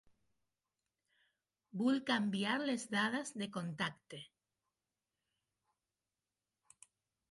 Vull canviar les dades de contacte.